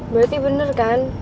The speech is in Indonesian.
berarti bener kan